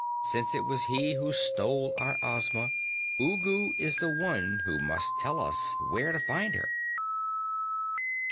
Since it was he who stole our Ozma, Ugu is the one who must tell us where to find her."